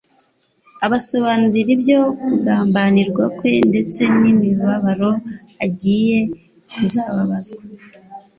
abasobanurira ibyo kugambanirwa kwe ndetse n'imibabaro agiye kuzababazwa.